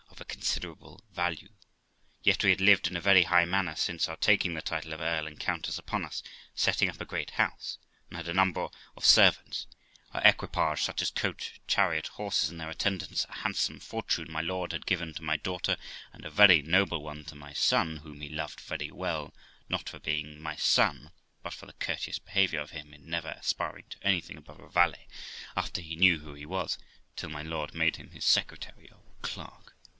of a considerable value, yet we had lived in a very high manner since our taking the title of earl and countess upon us; setting; up a great THE LIFE OF ROXANA 4X9 house, and had a number of servants ; our equipage, such as coach, chariot, horses, and their attendants ; a handsome fortune my lord had given to my daughter, and a very noble one to my son, whom he loved very well, not for his being my son, but for the courteous behaviour of him in never aspiring to anything above a valet, after he knew who he was, till my lord made him his secretary or clerk.